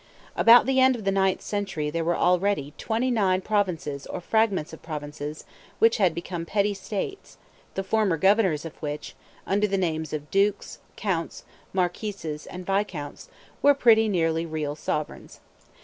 About the end of the ninth century there were already twenty nine provinces or fragments of provinces which had become petty states, the former governors of which, under the names of dukes, counts, marquises, and viscounts, were pretty nearly real sovereigns.